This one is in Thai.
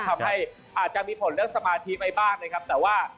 ทำให้อาจจะมีผลเลือกสมาธิไปบ้างนะครับแต่ว่า